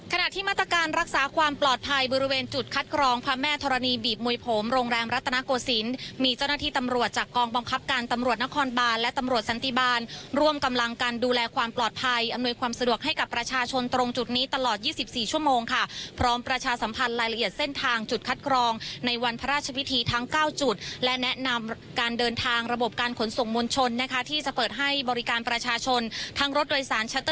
ขณะที่มาตรการรักษาความปลอดภัยบริเวณจุดคัดกรองพระแม่ธรณีบีบมวยโผมโรงแรมรัฐนาโกศิลป์มีเจ้าหน้าที่ตำรวจจากกองบองคับการตำรวจนครบานและตำรวจสันติบาลร่วมกำลังการดูแลความปลอดภัยอำนวยความสะดวกให้กับประชาชนตรงจุดนี้ตลอด๒๔ชั่วโมงค่ะพร้อมประชาสัมพันธ์ราย